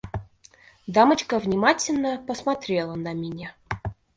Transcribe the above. Дамочка внимательно посмотрела на меня.